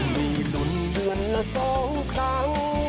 มีลุ่นนละ๒ครั้ง